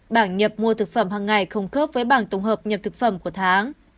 bảng nhập mua thực phẩm hàng ngày không khớp với bảng tổng hợp nhập thực phẩm của tháng